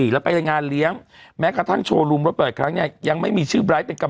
แล้วไปเรื่องงานเต้นบันไว้แม้กระทั่งโชว์ลุ้มรถปลอดค้างเนี่ย